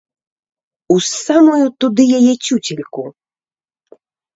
У самую, туды яе, цюцельку!